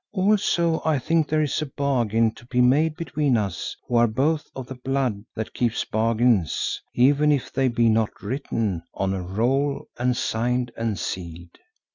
Also I think there is a bargain to be made between us who are both of the blood that keeps bargains, even if they be not written on a roll and signed and sealed.